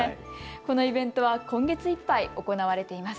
このイベントは今月いっぱい行われています。